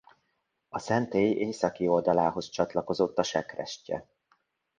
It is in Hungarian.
A szentély északi oldalához csatlakozott a sekrestye.